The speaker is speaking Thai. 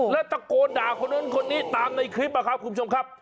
แล้วตะโกนด่าคนนู้นคนนี้ตามในคลิปนะครับคุณผู้ชมครับ